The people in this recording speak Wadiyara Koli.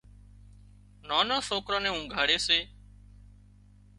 نانان سوڪران نين اونگھاڙي سي